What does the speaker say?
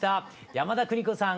山田邦子さん